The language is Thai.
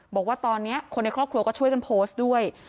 บอกว่าตอนนี้คนในครอบครัวก็ช่วยกันโพสต์ด้วย